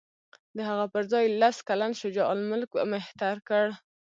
د هغه پر ځای یې لس کلن شجاع الملک مهتر کړ.